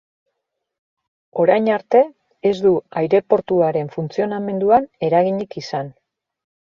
Orain arte, ez du aireportuaren funtzionamenduan eraginik izan.